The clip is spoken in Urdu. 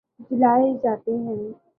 جلائے جاتے ہیں